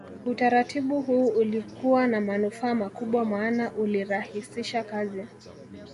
Utaratibu huu ulikuwa na manufaa makubwa maana ulirahisisha kazi